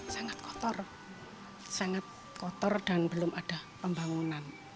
sangat kotor sangat kotor dan belum ada pembangunan